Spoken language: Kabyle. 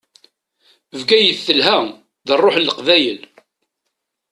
Bgayet telha, d ṛṛuḥ n leqbayel.